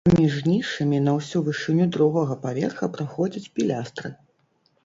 Паміж нішамі на ўсю вышыню другога паверха праходзяць пілястры.